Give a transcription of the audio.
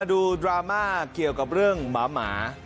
ดราม่าเกี่ยวกับเรื่องหมา